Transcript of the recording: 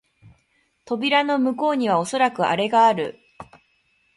扉の向こうにはおそらくアレがある